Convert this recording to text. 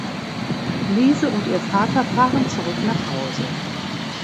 Lise und ihr Vater fahren zurück nach Hause.